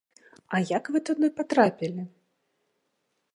А як вы туды патрапілі?